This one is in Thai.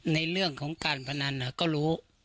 ในเรื่องของการพนันก็รู้